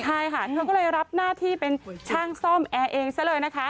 ใช่ค่ะเธอก็เลยรับหน้าที่เป็นช่างซ่อมแอร์เองซะเลยนะคะ